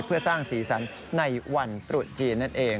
เพื่อสร้างศีรษรัทธิ์ในวันตรุษจีน